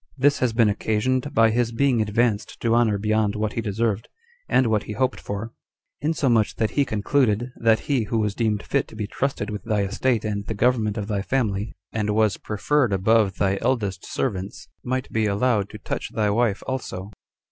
This has been occasioned by his being advanced to honor beyond what he deserved, and what he hoped for; insomuch that he concluded, that he who was deemed fit to be trusted with thy estate and the government of thy family, and was preferred above thy eldest servants, might be allowed to touch thy wife also."